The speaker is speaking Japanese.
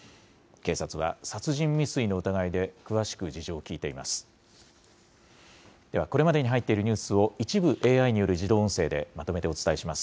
警察は、殺人未遂の疑いで詳しく事情を聴いています。